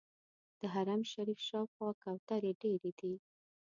د حرم شریف شاوخوا کوترې ډېرې دي.